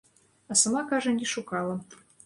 А сама, кажа, не шукала.